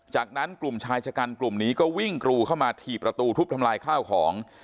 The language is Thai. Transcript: จากนั้นกลุ่มชายชะกันกลุ่มนี้ก็วิ่งกรูเข้ามาถี่ประตูทุบทำลายข้าวของ